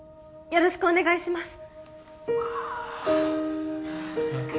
よろしくお願いします